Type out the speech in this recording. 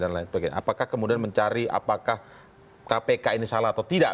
apakah kemudian mencari apakah kpk ini salah atau tidak